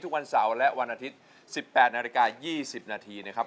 วันเสาร์และวันอาทิตย์๑๘นาฬิกา๒๐นาทีนะครับ